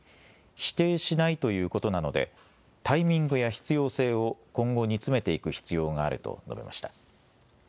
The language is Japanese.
否定しないということなのでタイミングや必要性を今後、煮詰めていく必要があると述べました。